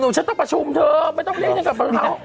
ฉันต้องประชุมเธอไม่ต้องเรียกฉันกับเขา